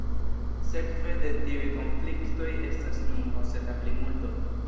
Sekve de tiuj konfliktoj estas nun oseta plimulto.